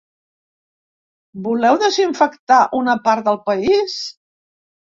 Voleu desinfectar una part del país?